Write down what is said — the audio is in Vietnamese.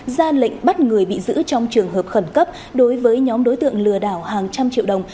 ra lệnh bắt người bị giữ trong trường hợp khẩn cấp đối với nhóm đối tượng lừa đảo hàng trăm triệu đồng